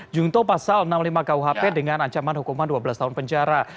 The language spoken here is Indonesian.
jungto pasal enam puluh lima kuhp dengan ancaman hukuman dua belas tahun penjara